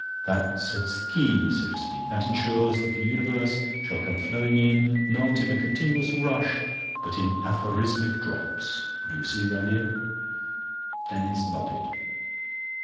That sets the key, so to speak; that ensures that the Universe shall come flowing in, not in a continuous rush, but in aphorismic drops. You see the idea?" Denis nodded.